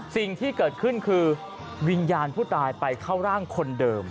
สิ่งที่เกิดขึ้นคือวิญญาณผู้ตายไปเข้าร่างคนเดิม